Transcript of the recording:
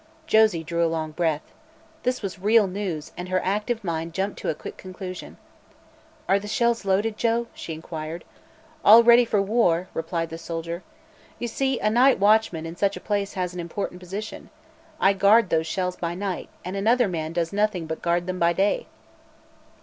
Josie drew a long breath. This was real news and her active mind jumped to a quick conclusion. "Are the shells loaded, Joe?" she inquired. "All ready for war," replied the soldier. "You see, a night watchman in such a place has an important position. I guard those shells by night, and another man does nothing but guard them by day."